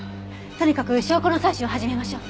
とにかく証拠の採取を始めましょう。